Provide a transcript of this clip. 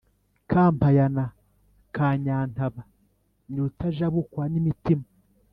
Kampayana ka Nyantaba ni Rutajabukwa-n‘imitima